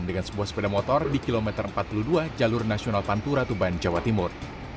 dengan sebuah sepeda motor di kilometer empat puluh dua jalur nasional pantura tuban jawa timur